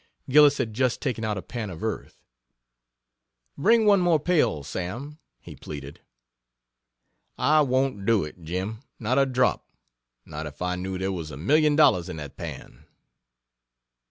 Gillis had just taken out a pan of earth. "Bring one more pail, Sam," he pleaded. "I won't do it, Jim! Not a drop! Not if I knew there was a million dollars in that pan!"